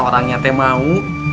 orang nyata mau